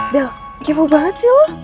bel kepo banget sih lo